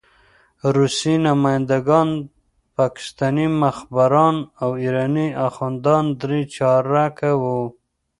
روسي نماینده ګان، پاکستاني مخبران او ایراني اخندان درې چارکه وو.